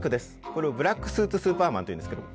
これをブラックスーツスーパーマンというんですけど。